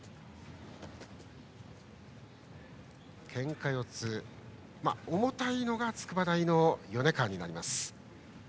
けんか四つ、重たいのが筑波大の米川になります。